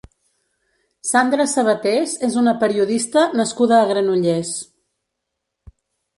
Sandra Sabatés és una periodista nascuda a Granollers.